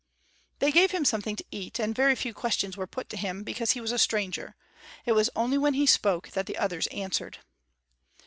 They gave him something to eat, and very few questions were put to him, because he was a stranger; it was only when he spoke that the others answered.